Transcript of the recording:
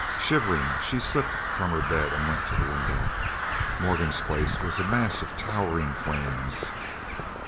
Shivering she slipped from her bed and went to the window. Morgan's place was a mass of towering flames!